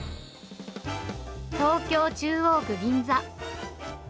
東京・中央区銀座。